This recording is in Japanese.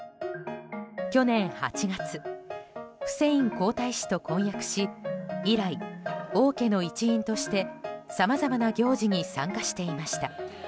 去年８月フセイン皇太子と婚約し以来、王家の一員としてさまざまな行事に参加していました。